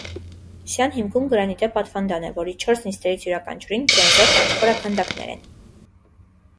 Սյան հիմքում գրանիտե պատվանդան է, որի չորս նիստերից յուրաքանչյուրին բրոնզե խորաքանդակներ են։